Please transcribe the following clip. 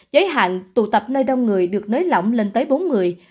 giới hạn tụ tập nơi đông người được nới lỏng lên tới bốn người